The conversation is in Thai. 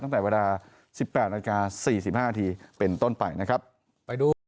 ตั้งแต่เวลาสิบแปดนาฬิกาสี่สิบห้านาทีเป็นต้นไปนะครับไปดู